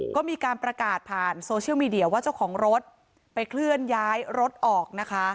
ก็มีการประกาศผ่านโซเชียลมีเดียว่าเจ้าของรถไปเคลื่อนย้ายรถออกนะคะ